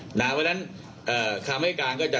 เพราะฉะนั้นคำให้การก็จะ